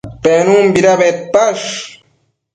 Penunbida bedpash?